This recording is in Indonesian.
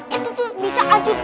itu tuh bisa ajut